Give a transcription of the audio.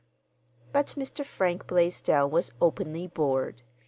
But Mr. Frank Blaisdell was openly bored.